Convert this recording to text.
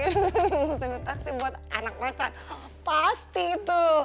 pesenin taksi buat anak pacar pasti itu